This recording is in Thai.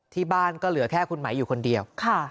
ที่บ้านก็เหลือแค่คุณไหมอยู่คนเดียว